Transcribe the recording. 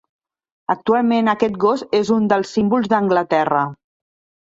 Actualment, aquest gos és un dels símbols d'Anglaterra.